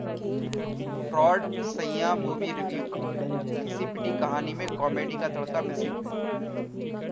Fraud Saiyaan Movie Review: घिसी-पिटी कहानी में कॉमेडी का तड़का मिसिंग